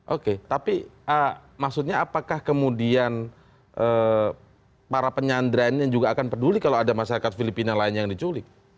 oke tapi maksudnya apakah kemudian para penyandra ini juga akan peduli kalau ada masyarakat filipina lain yang diculik